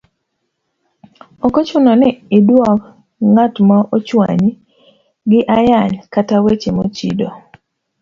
Ok ochuno ni idwok ng'at ma ochwanyi gi ayany kata weche mochido,